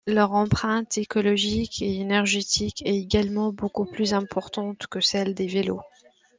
Leur empreinte écologique et énergétique est également beaucoup plus importante que celle des vélos.